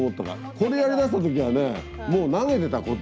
これやりだした時はねもう投げてたこっち。